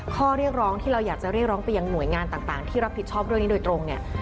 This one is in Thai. ข้อเรียกร้องที่เราอยากจะเรียกร้องไปยังหน่วยงานต่างที่รับผิดชอบเรื่องนี้โดยตรงเนี่ย